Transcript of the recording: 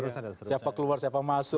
siapa keluar siapa masuk